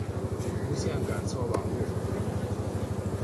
无线感测网路。